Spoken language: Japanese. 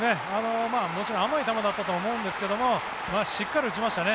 もちろん甘い球だったとは思うんですけどしっかり打ちましたね。